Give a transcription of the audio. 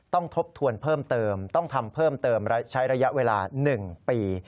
ทบทวนเพิ่มเติมต้องทำเพิ่มเติมใช้ระยะเวลา๑ปี